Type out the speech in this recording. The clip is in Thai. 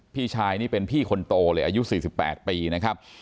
พี่ชายนี่เป็นพี่คนโตเลยอายุ๔๘ปีนะครับ